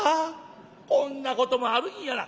こんなこともあるんやな」。